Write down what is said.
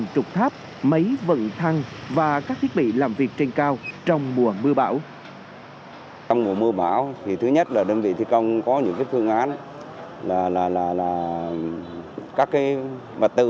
trước khi bão đổ bộ sẽ cắt tỉa tập trung vào những loại cây có đường kính